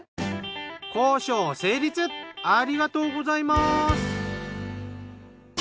ありがとうございます。